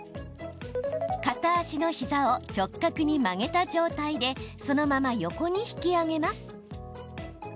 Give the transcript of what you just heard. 片足の膝を直角に曲げた状態でそのまま横に引き上げます。